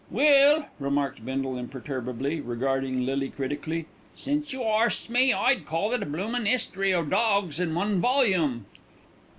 "Well," remarked Bindle imperturbably, regarding Lily critically, "since you arsts me, I'd call it a bloomin' 'istory o' dawgs in one volume."